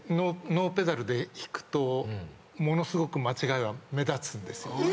ノーペダルで弾くとものすごく間違いは目立つんですよ。